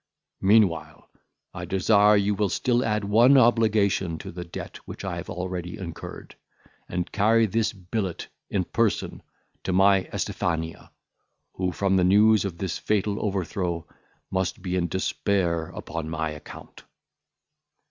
Meanwhile, I desire you will still add one obligation to the debt which I have already incurred, and carry this billet in person to my Estifania, who, from the news of this fatal overthrow must be in despair upon my account."